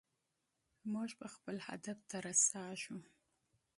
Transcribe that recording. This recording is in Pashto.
موږ به خپل هدف ته رسېږو.